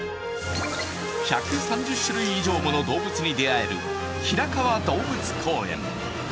１３０種類以上もの動物に出会える平川動物公園。